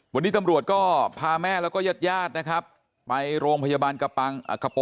วันนี้ตำรวจก็พาแม่แล้วฆ่ายอดไปโรงพยาบาลกระปัง